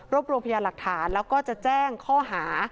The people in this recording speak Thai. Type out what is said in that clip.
รวมรวมพยานหลักฐานแล้วก็จะแจ้งข้อหา